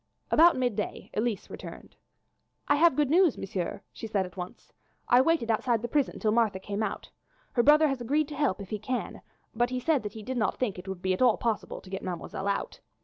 About mid day Elise returned. "I have good news, monsieur," she said at once. "I waited outside the prison till Martha came out. Her brother has agreed to help if he can, but he said that he did not think that it would be at all possible to get mademoiselle out.